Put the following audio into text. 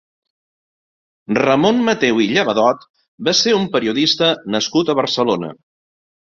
Ramon Mateu i Llevadot va ser un periodista nascut a Barcelona.